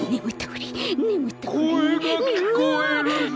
・こえがきこえるぞ！